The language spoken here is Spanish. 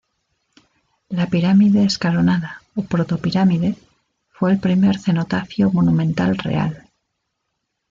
La pirámide escalonada, o proto-pirámide, fue el primer cenotafio monumental real.